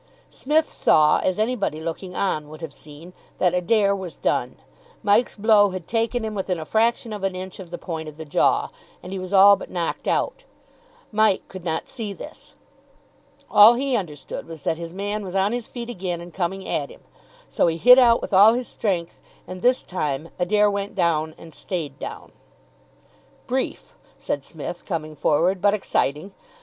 Psmith saw, as anybody looking on would have seen, that Adair was done. Mike's blow had taken him within a fraction of an inch of the point of the jaw, and he was all but knocked out. Mike could not see this. All he understood was that his man was on his feet again and coming at him, so he hit out with all his strength; and this time Adair went down and stayed down. "Brief," said Psmith, coming forward, "but exciting.